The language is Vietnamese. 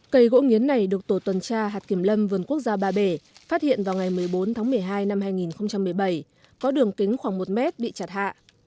cây gỗ nghiến này được tổ tuần tra hạt kiểm lâm vườn quốc gia ba bể phát hiện vào ngày một mươi bốn tháng một mươi hai năm hai nghìn một mươi bảy có đường kính khoảng một mét bị chặt hạ